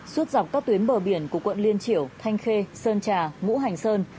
suốt dọc các tuyến bờ biển của quận liên triểu thanh khê sơn trà ngũ hành sơn